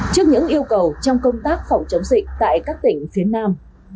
trước những yêu cầu trong công tác phòng chống dịch tại các tỉnh phía nam